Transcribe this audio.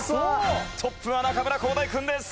トップは中村浩大くんです。